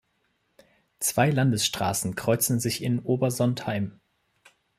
Zwei Landesstraßen kreuzen sich in Obersontheim.